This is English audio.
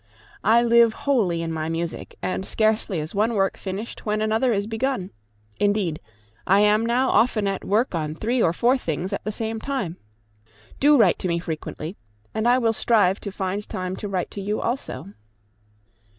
I live wholly in my music, and scarcely is one work finished when another is begun; indeed, I am now often at work on three or four things at the same time. Do write to me frequently, and I will strive to find time to write to you also.